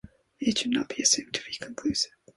It should not be assumed to be conclusive.